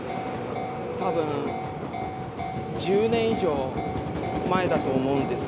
多分１０年以上前だと思うんですが。